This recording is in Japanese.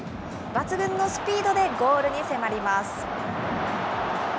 抜群のスピードでゴールに迫ります。